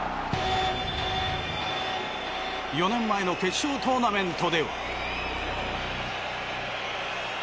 ４年前の決勝トーナメントでは。